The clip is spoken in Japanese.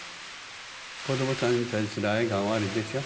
子どもさんに対する愛がおありでしょ？